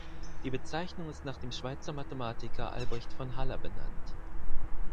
Die Bezeichnung ist nach dem Schweizer Mathematiker Albrecht von Haller benannt.